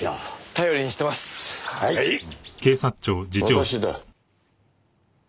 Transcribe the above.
私だ。